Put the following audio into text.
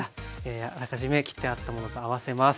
あらかじめ切ってあったものと合わせます。